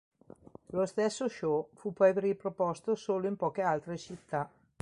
Lo stesso show fu poi riproposto solo in poche altre città.